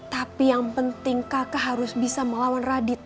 tapi yang penting kakak harus bisa melawan radit